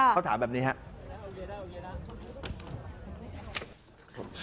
เขาถามแบบนี้ครับ